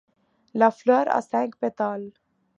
La fleur a cinq pétales.